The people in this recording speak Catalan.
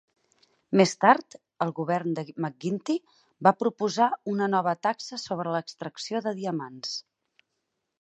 Més tard, el govern de McGuinty va proposar una nova taxa sobre l'extracció de diamants.